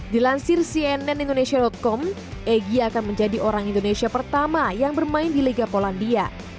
dilansir cnn indonesia com egy akan menjadi orang indonesia pertama yang bermain di liga polandia